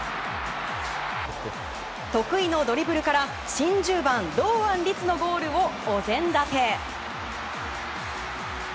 得意のドリブルから新１０番・堂安律のゴールをおぜん立て。